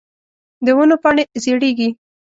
د ونو پاڼی زیړیږې